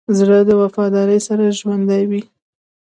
زړه د وفادارۍ سره ژوندی وي.